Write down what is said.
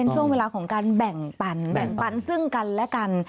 ช่วงเวลาของการแบ่งปันแบ่งปันซึ่งกันและกัน